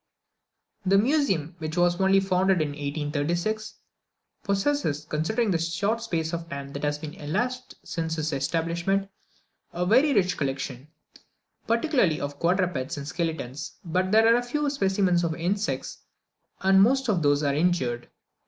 The Museum, which was only founded in 1836, possesses, considering the short space of time that has elapsed since its establishment, a very rich collection, particularly of quadrupeds and skeletons, but there are very few specimens of insects, and most of those are injured.